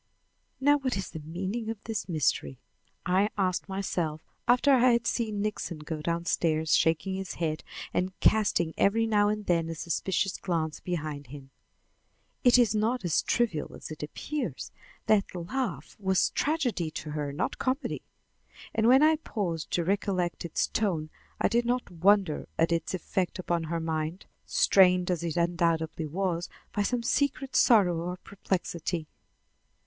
"Now what is the meaning of this mystery?" I asked myself after I had seen Nixon go downstairs, shaking his head and casting every now and then a suspicious glance behind him. "It is not as trivial as it appears. That laugh was tragedy to her, not comedy." And when I paused to recollect its tone I did not wonder at its effect upon her mind, strained as it undoubtedly was by some secret sorrow or perplexity.